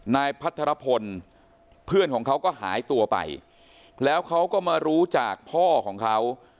นายพัทรพลเพื่อนของเขาก็หายตัวไปแล้วเขาก็มารู้จากพ่อของเขา